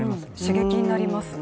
刺激になります。